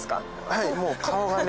はい。